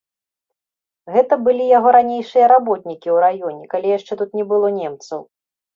Гэта былі яго ранейшыя работнікі ў раёне, калі яшчэ тут не было немцаў.